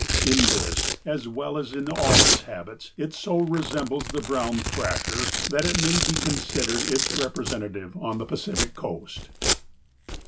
In this, as well as in all its habits, it so resembles the brown thrasher that it may be considered its representative on the Pacific Coast.